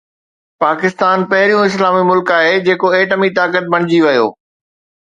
پاڪستان پهريون اسلامي ملڪ آهي جيڪو ايٽمي طاقت بڻجي ويو